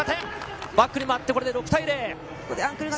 バックに回って６対０。